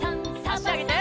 あしあげて。